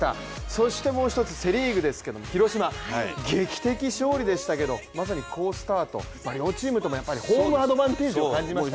そしてもう一つ、セ・リーグですけれども広島、劇的勝利でしたけどまさに好スタート、両チームともホームアドバンテージを感じましたね。